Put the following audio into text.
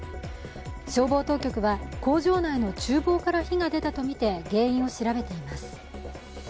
消防当局は工場内のちゅう房から火が出たとみて原因を調べています。